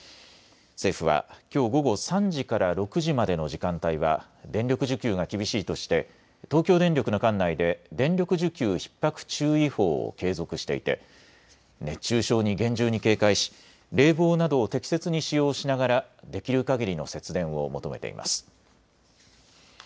政府はきょう午後３時から６時までの時間帯は電力需給が厳しいとして東京電力の管内で電力需給ひっ迫注意報を継続していて熱中症に厳重に警戒し冷房などを適切に使用しながらできるかぎりの節電を求めています。